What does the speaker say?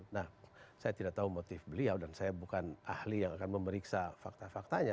nah saya tidak tahu motif beliau dan saya bukan ahli yang akan memeriksa fakta faktanya